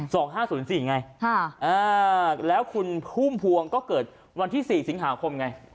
สองห้าศูนย์สี่ไงค่ะอ่าแล้วคุณพุ่มพวงก็เกิดวันที่สี่สิงหาคมไง